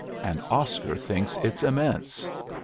And Oscar thinks it's immense.